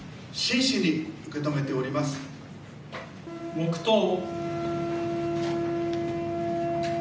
黙とう。